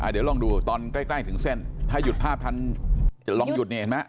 เดี๋ยวลองดูตอนใกล้ถึงเส้นถ้าหยุดภาพทันจะลองหยุดนี่เห็นไหม